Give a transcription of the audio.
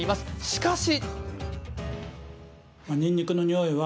しかし。